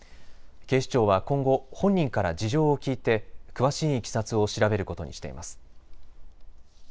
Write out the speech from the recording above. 警視庁は今後、本人から事情を聴いて、詳しいいきさつを調べることにしています。